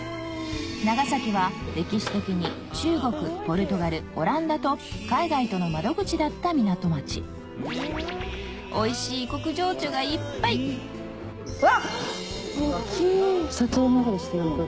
長崎は歴史的に中国ポルトガルオランダと海外との窓口だった港町おいしい異国情緒がいっぱいわっ大っきい。